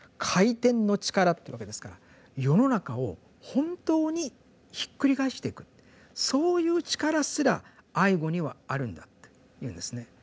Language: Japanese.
「廻天のちから」っていうわけですから世の中を本当にひっくり返していくそういう力すら「愛語」にはあるんだっていうんですね。